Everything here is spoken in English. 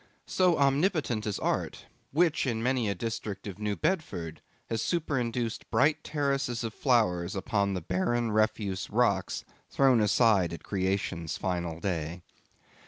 So omnipotent is art; which in many a district of New Bedford has superinduced bright terraces of flowers upon the barren refuse rocks thrown aside at creation's final day.